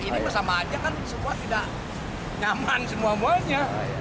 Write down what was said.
ini sama aja kan semua tidak nyaman semuanya